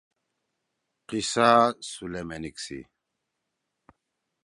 قصہ سلیمینک سی